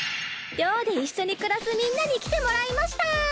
寮で一緒に暮らすみんなに来てもらいました！